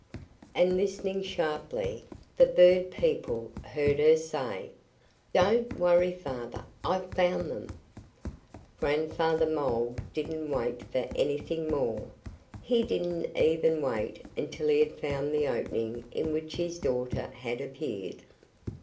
And listening sharply, the bird people heard her say, "Don't worry, Father! I've found them." Grandfather Mole didn't wait for anything more. He didn't even wait until he had found the opening in which his daughter had appeared.